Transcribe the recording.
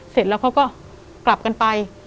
เสร็จแล้วเขาก็กลับกันไป